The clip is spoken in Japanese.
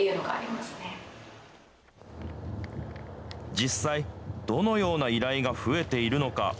実際、どのような依頼が増えているのか。